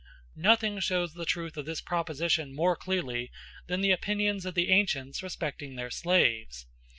Nothing shows the truth of this proposition more clearly than the opinions of the ancients respecting their slaves.